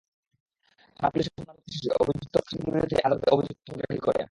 থানা-পুলিশ মামলার তদন্ত শেষে অভিযুক্ত পাঁচ আসামির বিরুদ্ধেই আদালতে অভিযোগপত্র দাখিল করে।